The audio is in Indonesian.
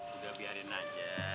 udah biarin aja